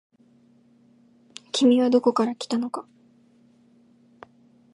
君はどこから来たのか。